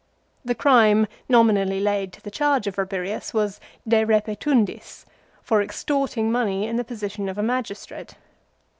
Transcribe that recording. The crime nominally laid to the charge of Rabirius was "De repetundis," for extorting money in the position of a magistrate.